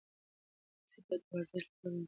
تاسي باید د هر ورزش لپاره مناسب کالي واغوندئ.